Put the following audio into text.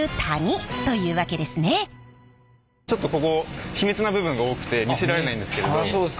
ちょっとここ秘密な部分が多くて見せられないんですけど。